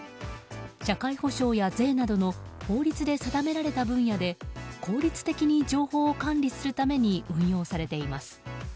社会保障や税などの法律で定められた分野で効率的に情報を管理するために運用されています。